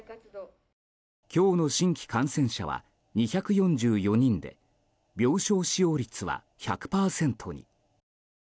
今日の新規感染者は２４４人で病床使用率は１００％に。